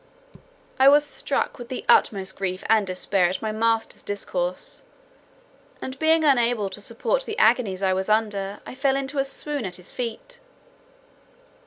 I was struck with the utmost grief and despair at my master's discourse; and being unable to support the agonies I was under, I fell into a swoon at his feet.